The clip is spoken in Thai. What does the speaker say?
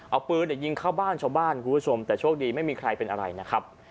เอาปืนอย่างนี้ยิงเข้าบ้านกับชาวบ้านแต่โชคดีไม่มีใครเป็นอะไรนะครับ